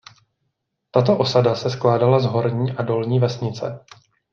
Tato osada se skládala z horní a dolní vesnice.